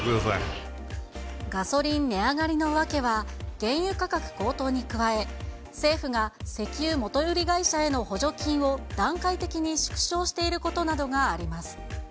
ガソリン値上がりの訳は、原油価格高騰に加え、政府が石油元売り会社への補助金を段階的に縮小していることなどがあります。